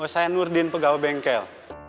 saya nurdin pegawai bengkel